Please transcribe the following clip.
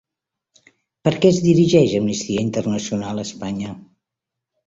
Per què es dirigeix Amnistia Internacional a Espanya?